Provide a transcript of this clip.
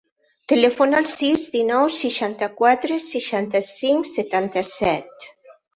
Telefona al sis, dinou, seixanta-quatre, seixanta-cinc, setanta-set.